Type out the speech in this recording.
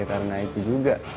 ya karena itu juga